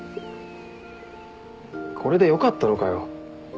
これでよかったのかよ？